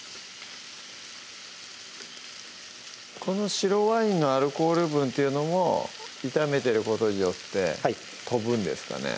この白ワインのアルコール分っていうのも炒めてることによって飛ぶんですかね